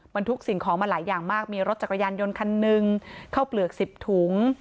บรรทุกสิ่งของมาหลายอย่างมากมีรถจักรยานยนต์คันหนึ่งเข้าเปลือก๑๐ถุง